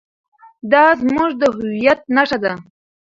دا زموږ د هویت نښه ده.